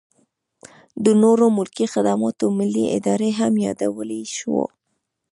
د نورو ملکي خدماتو ملي ادارې هم یادولی شو.